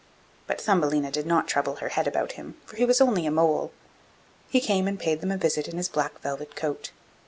But Thumbelina did not trouble her head about him, for he was only a mole. He came and paid them a visit in his black velvet coat.